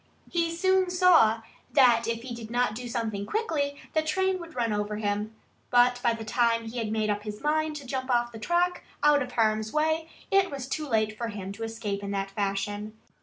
He soon saw that if he did not do something quickly the train would run over him. But by the time he had made up his mind to jump off the track, out of harm's way, it was too late for him to escape in that fashion.